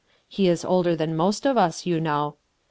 He is older than most of us, you know.